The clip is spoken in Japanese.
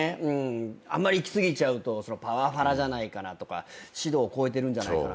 あんまり行き過ぎちゃうとパワハラじゃないかなとか指導を超えてるんじゃないかな。